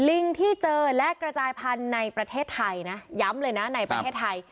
ลิงที่เจอและกระจายพันธุ์ในประเทศไทยนะย้ำเลยนะในประเทศไทย